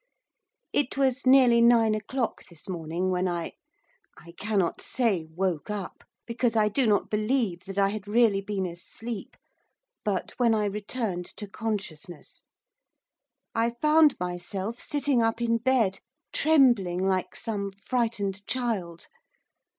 It was nearly nine o'clock this morning when I, I cannot say woke up, because I do not believe that I had really been asleep but when I returned to consciousness. I found myself sitting up in bed, trembling like some frightened child.